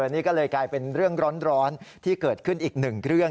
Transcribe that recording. นี่ก็เลยกลายเป็นเรื่องร้อนที่เกิดขึ้นอีกหนึ่งเรื่อง